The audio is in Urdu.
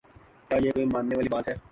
کیا یہ کوئی ماننے والی بات ہے؟